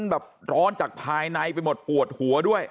แบบร้อนจากภายในไปหมดปวดหัวด้วย